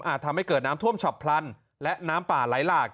ทำให้เกิดน้ำท่วมฉับพลันและน้ำป่าไหลหลาก